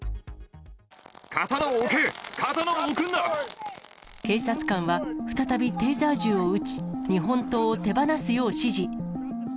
刀を置け、警察官は、再びテーザー銃を撃ち、日本刀を手放すよう指示。